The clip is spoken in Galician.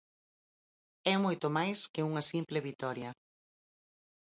É moito máis que unha simple vitoria.